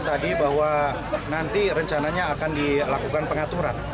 tadi bahwa nanti rencananya akan dilakukan pengaturan